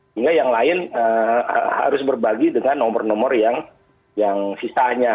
sehingga yang lain harus berbagi dengan nomor nomor yang sisanya